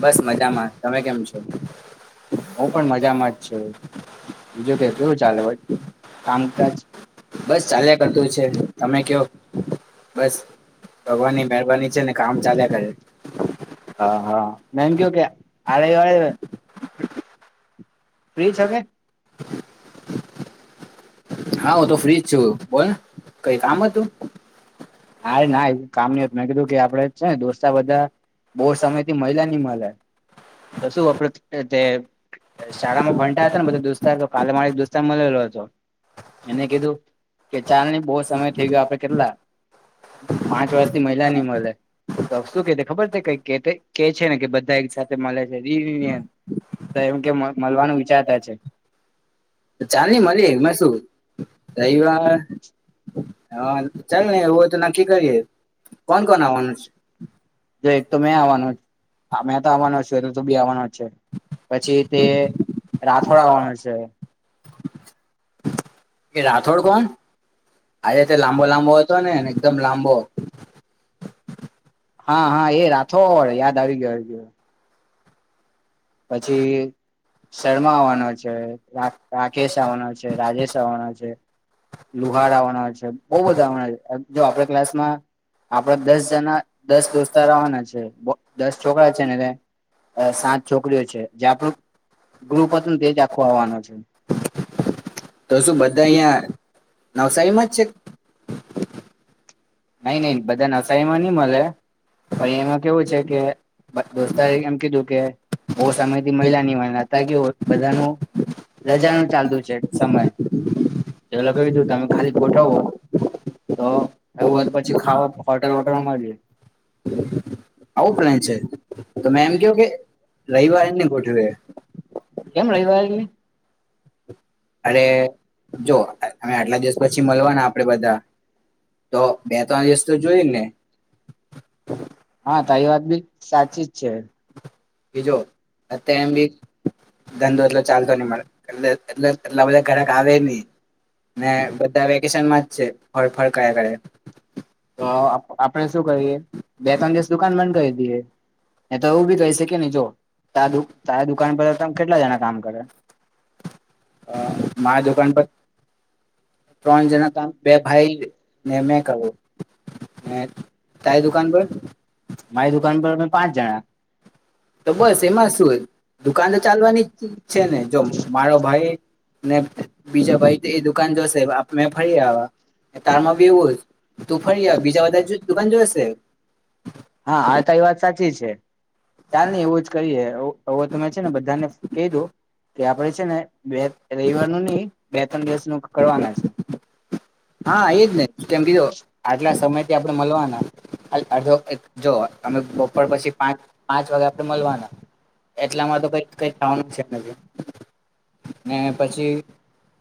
બસ મજામાં તમે કેમ છો હું પણ મામાં છું, બસ ચાલ્યા કરતું છે તમે કયો બસ ભગવાનની મરબાની છે, ને કામ ચલે્યા કરે હા હા મન ક્યો કે આળ હળ ફ્રી છો કે હા હું તો ફ્રીજ છું બો કઈ કામ હતું [unintelligible] મેં કીધું કે આપડે છે દોસ્ત બધા બહુ સમય થી મહિલા ની મળે તો શું આપણે તે શાળામાં ભણતાં હતા ને બધા દોસ્ત [unintelligible] મલેલો હતો એને કીધું કે ચાલની બો સમય થઇ ગયો આપે કેટલા પાંચ વર્ષથી મહિલા નઈ મલે તો શું કે ખબર છે કે છે ને કે બધા એક સાથે મળે છે રિયુનિયન તો એમ કે મલવાનું વિચારતા છે. ચાલની મલીએ એમાં શું રવિવાર હા ચાલ ને એવું હોય તો નક્કી કરીએ કોણ કોણ આવવાનું છે જો એકતો મે આવાનો મે તો આવાનો છે તો તુંબી આવાનો છે પછી તે રાથોડ આવવાનો છે. [inaudible] એ રાથોડ કોણ આજે તો લાંબો લાંબો હતો ને એકદમ લાંબો હા હા એ રાથોડ યાદ આવી ગયો ગયો પછી.. શર્મા આવવાનો છે રાકેશ આવવાનો છે રાજેશ આવવાનો છે લુહાર આવવાનો છે બઉ બધા આવવાના છે જો આપણે ક્લાસમાં આપડા દસ જણા દસ દોસ્તાર આવાના છે દસ છોકરા છે ને એ સાત જે આપડું ગ્રુપ હતું ને તે જ આખો આવવાનો છે. તો શું બધા અહીંયા નવસારીમાં જ છે. નઈ નઈ બધા નવસારીમાં નઈ મલે પણ એમાં કેવું છે કે દોસ્તારે એમ કીધું કે બહુ સમયથી મહિલા નીવાય હતા કે બધાનું રજાનું ચાલતું છે સમય તો લોકો કીધું તમે ખાલી ગોઠવો તો [unintelligible] આવું પ્લેન છે તો મે એમ ક કે રઈવારે નઈ ગોઠવે કેમ રઈવારે નઈ અરે જો અ આટલા દિવસ પછી મલવાના આપડે બધા તો બે ત્રણ દિવસ તો જોય ને હા તારી વાત બી સાચી જ છે. બીજો અત્યારે એમ બી ધંધો એટલો ચાલતો નહી મળે એ એટલે એટલા બધા ઘરાક આવે નહી ને બધા વેકેશનમાં જ છે ફર ફર કર્યા કરે તો આ આપડે શું કરીએ, બે ત્રણ દિવસ દુકાન બંધ કરી દીએ. એ તો એવું બી થઈ શકે ને જો તાર તાર દુકાન પર તમ કેટલા જણા કામ કરે, અ મારી દુકાન પર ત્રન જના કામ બે ભાઈ ને મેં કરો, ને તારી દુકાન પર, મારી દુકાન પર મે પાંચ જણા, તો બસ એમાં શું? દુકાન તો ચાલવાની છે ને જો મારો ભાઈ ને બીજા ભાઈ તે એ દુકાન જશ તે વાફ ને ફરી આયા તારન માંવ બેઉ તો ફરી આય બીજા બધા દુકાન જોશે, હા, આ તારી વાત સાચ તી છે. ચાલ ની એવું જ કરીએ ઓ હવ તમે છ છે ને બધાને કહી દો કે આપડે છે ને બે રવિવારનું નહી બે ત્રણ દિવસનું કરવાના છે. [unintelligible] હા, એ જ ને કેમ કે જો આટલા સમયથી આપડે મલવાના અલ અડધો એક જો અમે બપોર પછી પાંચ પાંચ વાગે આપે મલવાના એક એટલા માંતો કંઈક કંઈક થવાનું છે નથી ને પછી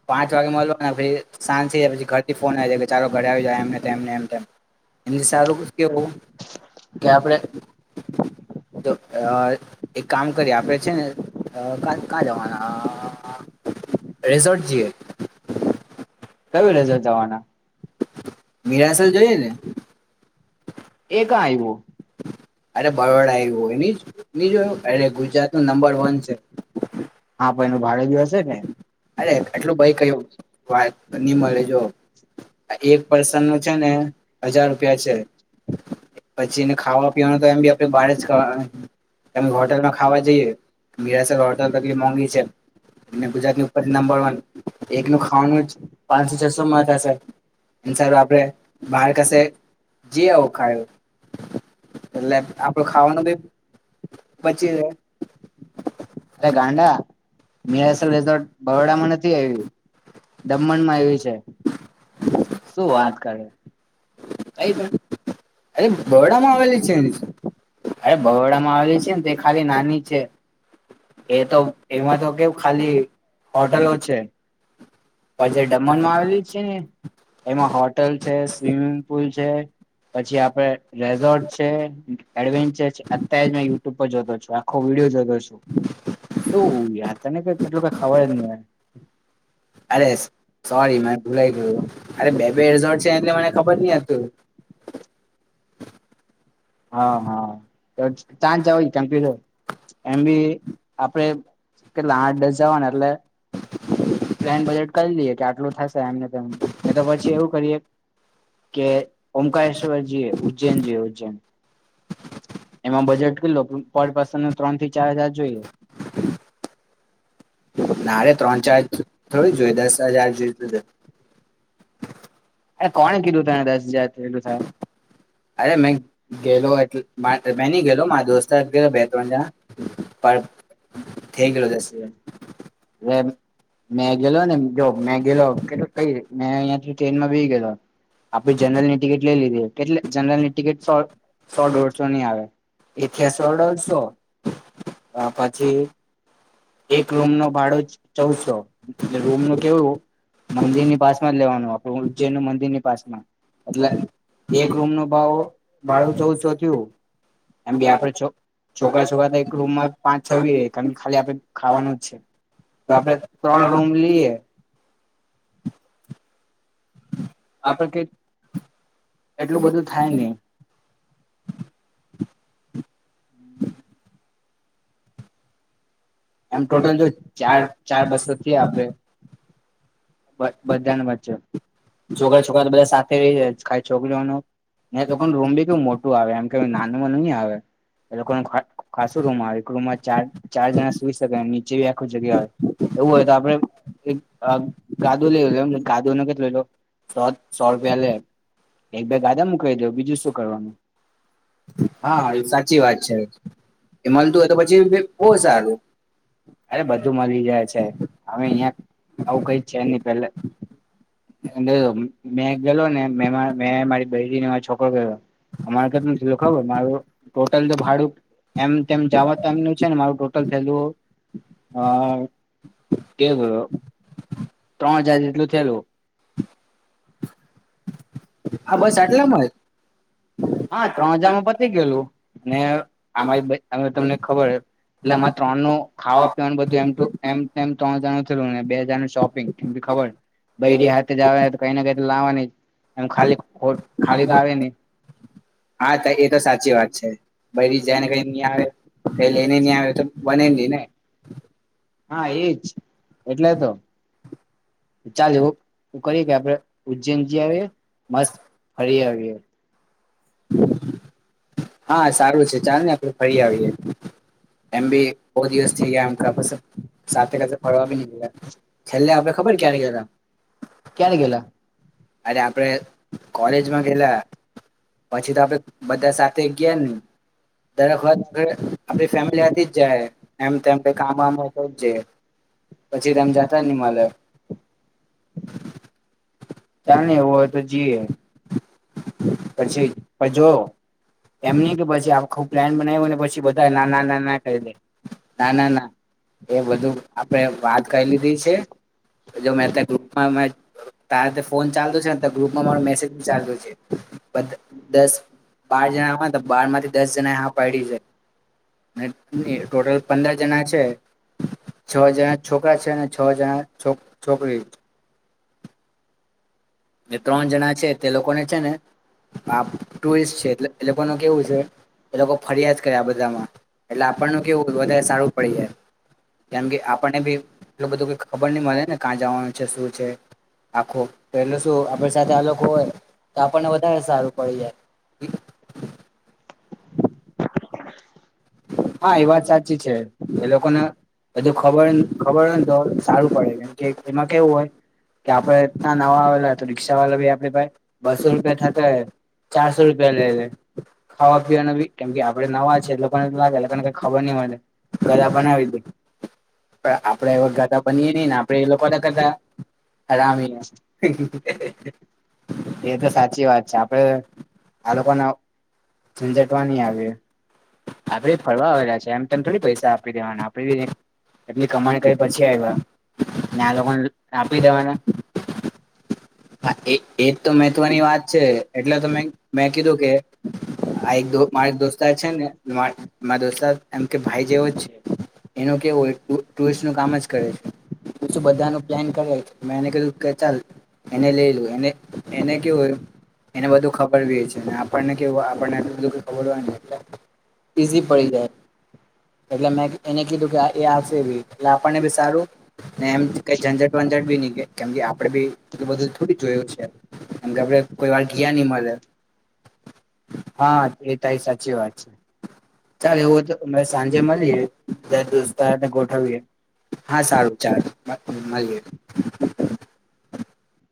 પાંચ વાગે મલવાના પહી સાંજ છે પછી ઘર ફોન આયી જાય કે ચાલો ઘરે આવી જાય એમને તેમને એમ તેમ એ સારું કેવ કે આપડે જો અ એક કામ કરીએ આપ તો છે ને અ કાં કાં જવાના આ રિઝોર્ટ જીએ. કયું રેઝોર્ટ જવાના? મીરાસલ જોઈએ ને. એ કાં આયવોં અરે, બરોડા હાઈવે ની જ ની જોયો અરે, ગુજરાતનો નંબર વન છે. હા, ભઈનો ભાડે જો હશે જ ને, અરે એટલું ભાઈ કય વાત ની મળે જો એક પર્સનનું છે ને હજાર રૂપિયા છે. પછીને ખાવા પીવાન તો એમ બી આપણે બહાર જ કહેવા હોટલમાં ખાવા જઈએ મીરાસર હોટલ કટલી મોંઘી છે, અને ગુજરાતની ઉપરથી નંબર વન એકનું ખાવાનું જ પાંચસો છસોમાં થશે અન સાહેબ આપણે બહાર કશે જી આવો ખાવો એટલે આપડું ખાવાનું બી બચી જાય. અરે ગાંડા મીરાસલ રિઝોર્ટ બરોડામાં નથી આયવી. દમણમાં આયવી છે શું વાત કરે? કઈ પણ [unintelligible] અરે બરોડામાં આવેલી છે, અરે બરોડા માં આવેલી છે ને તે ખાલી નાની છે, એ તો એમાં તો કેવું ખાલી હોટલો છે, પછી દમણમાં આવેલી છે, ને એમાં હોટલ છે સ્મિંગ પુલ છે. પછી આપણે રેઝોર્ટ છે એડવેન્ચર છે અત્યારે જ મેં યુટ્યુબ પર જોતો છું આખો વિડીયો જોતો છું, શું યાર તને કઈ એટલ કઈ ખબર જ નહી આવે. અરે સોરી મને ભૂલાઈ ગયુ, અરે બે બે રોર્ટ છે એટલે મને ખબર નહ હતું. હા હા. તંચ જવામપ, એમ બી આપડે કેટલા આઠ દસ જવાના એટલે પ્લાન બજેટ કરી લઈએ કે આટલું થશે એમ તો પછી એવું કરીએ. કે ઓમકશ્વરજીએ ઉજ્જૈનજીએ ઉજ્જૈન. એમાં બજેટ કેટલો? પર પર્સન ત્રણ ચાર હજાર જોઈએ. નારે ત્રણ ચારજ થોડું જોઈ દસ હજાર જોઈએ. અરે કોને કીધું ત દસ હજારલું થાય, અરે મે ગેલો એટ મે નઈ ગેલો મારા દોસ્ત ગે બેત્રણ જણા, પણ થ ગેલો મે ગેલો ને જો મેં ગે કે કઈ મે અ ટ્રેનમાં બી ગયો. આપે જનરલ ની ટિકિટ લઈ લીધી. કેટલે જનરલ ની ટિકિટ ફો સો દોઢસો ની આવે. એથીયાસ અઢસો પછી એક રૂમ નો ભાડું જ ચૌદસો, રૂમ નું કેવું મંદિરની પાસમાં જ લેવાનું આપડું ઉજ્જૈન ન મંદિરની પાસમાં, એટલે એક રૂમ નો ભાવ ભળું ચૌદસો થયું, એમી આપડે છોકરા છોકરા તો એક રૂમમાં પાંચ છવી કાર ખાલી આપણે ખાવાનું જ છે, તો આપણે ત્રણ રૂમ લઈએ. આપડ કે એટલું બધું થાય નહ. એમ ટોટલ જો ચાર ચાર બસો થ આપડે. બધાને વચ્ચે, છોકરા છોકરા તો બધા સાથે રહી જાય ખ છોકરીઓનું ને ન રૂમ બી કેવું મોટું આવે એમ કે નાનુંમાં નહી આવે. એ લોકોનું ખાસું રૂમ આવે એક રૂમમાં ચાર જણા સુઈ શકે નીચે બી આખું જગ્યા હોય, એવું હોય તો આપડે એક ગાધો લે લ એમ ગાધો ન કે લઈ લો, સો રૂપિયા લે એક બે ગાધા મુકઈ દ બીજું શું કરવાનું. હા એ સાચી વાત છે, એ મળતું હોય તો પછી બ સારું. પે મે ગ મે [unintelligible] બૈરી અને છોકરો ગયો અમારે કેટ ખબર મારું ટોટલ તો ભાડું એમ તેમ જાવાનું છે ને મારું ટોટલ થયેલું અ એ ત્રણ હજાર જેટલું થયેલું હ બસ આટલામાંજ હા ત્રણ હજારમાં પતી ગયેલું અમારી અમેં તમને ખબર હ એટલે એમાં ત્રણ નું ખાવા પીવાનું બાઘુ એમ ત્રણ હજાર ન થલું બે હજારનુંું શોપિંગ કેમ કી ખબર બૈરી સાથે જવા કઈ કઈ તો લાવા નિજ એમ ખાલી ખાલી તો આવે ન હા એ તો સાચી વાત છે બૈરી જાઉં ને કાંઈ ન આવે લઈને નહીં આવે તો બને નહી ને હા એજ એટલે તો ચાલ એવું કરીએ કે આપડે ઉજ્જૈન જઈ આવીએ મસ્ત ફરીય હરીય [inaudible] હા સારું છે ચાલ ને આપડે ફરી આવએ એમ બી બૌ દિવસ થઈ ગયા ફરવા બી ગયા છેલ્લે આપડે ખબર ક્યારે ગયેલા ક્યારે ગયેલા અરે આપડે કોલેજમાં ગયલા પછી તો આપડે બધા સાથે એજ ને દર વખત આપડે ફેમિલી જ જાય એમ તેમ પછી એમ જાતા જ નહી મળે ચાલને એવું હોય તો જઈએ પછી જો એમની કે પછી આખું પ્લાન બનાવ્યુંને પછી બધા નાના નાના ક દે ના ના ના બધ આપડે બધું વાત કરી લીધી છે ફોન ચાલતો છે તો ગ્રુપમાં મારો મેસેજ ચાલુ છે બ દસ બાર જણામાં તો બાર માંથી દસ જણા હા પડી જાય ટોટલ પંદર જણા છે છ જણા છોકરા છે અને છ જણા છો છોકરી જે ત્રણ જણા છે તે લોકોને છે ને આ ટુરિસ્ટ છે એટ એ લોકોનું કેવું છે એ લોકો ફરિયાદ કરે આ બધામાં એટલે આપણનું કેવું વધારે સારું પડી જાય કેમ કે આપણને બી એલું બધુંઈ ખબર નહી મળે ને ક્યાં જવાનું છે શું છે આખું પહેલો શુ સાથે આ લોકો હોય તો આપણને વધારે સારું પડી જાય [unintelligible] હા એ વાત સાચી છે એ લોકોને બધું ખબર ખબર હોને તો સારું પડે કેમકે એમાં કેવું હોય કે આપડે એ નવા આવેલા રિક્ષા વાળ બી આપડે ભાઈ બસો રૂપિયા થતોય ચારસો રૂપિયા લઈ લે ખાવા પીવા ન ભી કેમ કે આપડે નવા છે લોકોને ને ખબર ન ગધા બનાવી દ પણ આપડે એવા ગધા બનીએ નહી ને આપડે એ લોકો કરતાં એ તો સાચી વાત છે આપડે આ લોકોને ઝંઝટવાની આવી આપડે ફરવા આવેલા છે એમ તેમ થોડી પૈસા આપી દેવાના આપડે એટલી કમાણી કરી પછી આવ્યા ને આ લોકોને આપી દેવાના. હા એ એજ તો મહત્વની વાત છે એટલે તો મે મેં કીધું કે આ એક મા એક દોસ્તાર છે ને મારા દોસ્ત એમ કે ભાઈ જેવો જ એનો કેવુ હોય ટુરિસ્ટ નું કામ જ કરે છે બધા નું પ્લાન કરે છે મેં એને કીધું કે ચાલ એ લઈ એને કેવું એને બધું ખબર છે. આપણને આપણને બધું ખબરનું ઈઝી પડી જાય એટલે મેં એને કીધું કે એ હશે બી એટલે આપણને બી સારું એમ કઈ ઝંઝટ વંઝટ બી ની કે કેમ કે આપડે બી એ બધું થોડું જોયું છે એમ કેડ કોઈ વાર ગયા નહ મળે હા એ સાચી વાત છે. ચાલ એવું તો સાંજે મળી દિવસ હા સારું ચાલ મલ્યે. [inaudible]